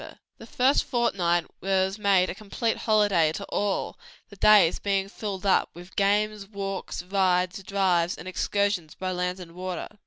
The first fortnight was made a complete holiday to all, the days being filled up with games, walks, rides, drives and excursions by land and water.